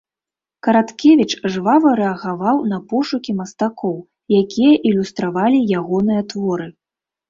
Караткевіч жвава рэагаваў на пошукі мастакоў, якія ілюстравалі ягоныя творы.